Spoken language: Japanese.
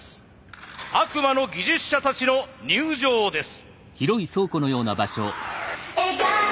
悪魔の技術者たちの入場です。